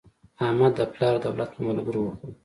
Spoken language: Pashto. احمد د پلار دولت په ملګرو وخوړ.